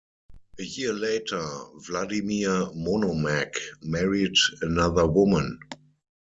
A year later Vladimir Monomakh married another woman.